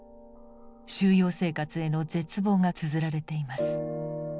収容生活への絶望がつづられています。